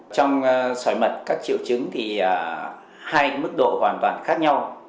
trong sỏi mật các triệu chứng thì hai mức độ hoàn toàn khác nhau